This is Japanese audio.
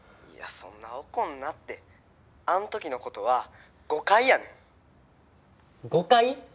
そんな怒んなってあん時のことは誤解やねん誤解？